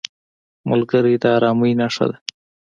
ملګری د ارامۍ نښه ده